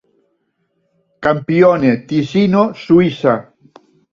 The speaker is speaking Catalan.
Campione, Tisino, Suïssa.